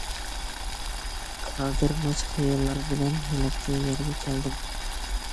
گادىرماچ خىياللار بىلەن ھېلىقى يەرگە كەلدىم.